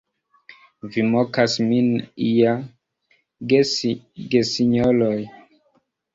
Vi mokas min ja, gesinjoroj!